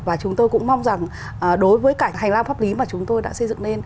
và chúng tôi cũng mong rằng đối với cả hành lang pháp lý mà chúng tôi đã xây dựng nên